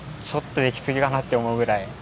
ちょっとできすぎだなと思うぐらい。